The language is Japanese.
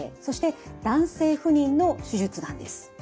そして男性不妊の手術なんです。